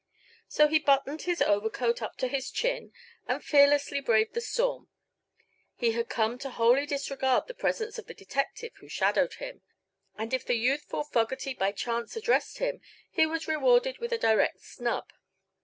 So he buttoned his overcoat up to his chin and fearlessly braved the storm. He had come to wholly disregard the presence of the detective who shadowed him, and if the youthful Fogerty by chance addressed him he was rewarded with a direct snub.